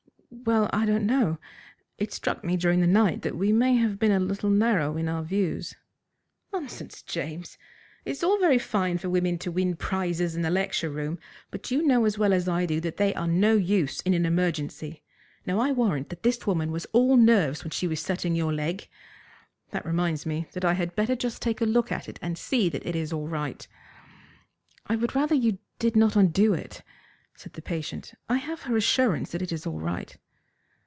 "Well, I don't know. It struck me during the night that we may have been a little narrow in our views." "Nonsense, James. It's all very fine for women to win prizes in the lecture room, but you know as well as I do that they are no use in an emergency. Now I warrant that this woman was all nerves when she was setting your leg. That reminds me that I had better just take a look at it and see that it is all right." "I would rather that you did not undo it," said the patient. "I have her assurance that it is all right."